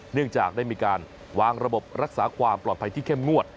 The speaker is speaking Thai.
เนื่องจากได้มีการวางระบบรักษาความปลอดภัยที่เข้มงวด